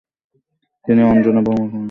তিনি অঞ্জনা ভৌমিক মেয়ে।